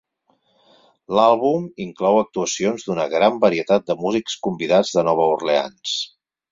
L'àlbum inclou actuacions d'una gran varietat de músics convidats de Nova Orleans.